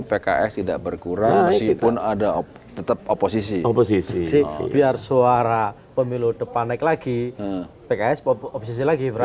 pks tidak berkurang kita pun ada tetep oposisi oposisi biar suara pemilu depan naik lagi pks